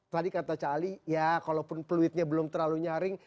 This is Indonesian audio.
tadi kata cak ali ya kalaupun peluitnya belum terlalu nyaring